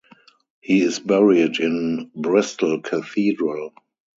He is buried in Bristol Cathedral.